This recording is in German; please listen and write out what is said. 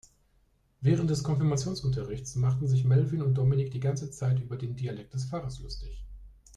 Während des Konfirmationsunterrichts machten sich Melvin und Dominik die ganze Zeit über den Dialekt des Pfarrers lustig.